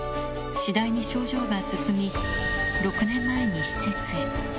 次第に症状が進み、６年前に施設へ。